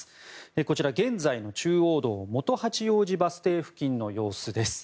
こちら、現在の中央道元八王子バス停付近の様子です。